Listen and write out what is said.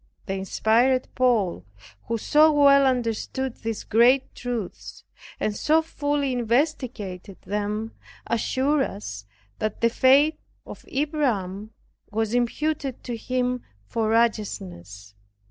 The inspired Paul, who so well understood these great truths and so fully investigated them, assures us that "the faith of Abraham was imputed to him for righteousness."